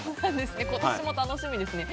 今年も楽しみですね。